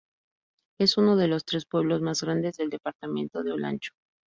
Es uno de los tres pueblos más grandes del departamento de Olancho.